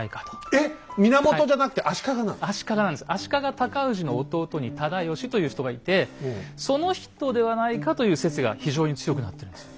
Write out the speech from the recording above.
足利尊氏の弟に直義という人がいてその人ではないかという説が非常に強くなってるんですよ。